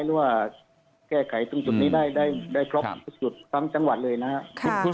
หรือว่าแก้ไขตรงจุดนี้ได้ครบสุดทั้งจังหวัดเลยนะครับ